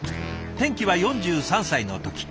転機は４３歳の時。